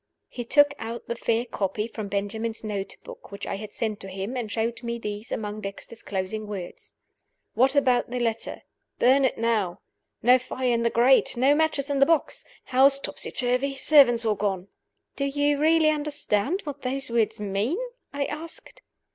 He took out the fair copy from Benjamin's note book which I had sent to him, and showed me these among Dexter's closing words: "What about the letter? Burn it now. No fire in the grate. No matches in the box. House topsy turvy. Servants all gone." "Do you really understand what those words mean?" I asked.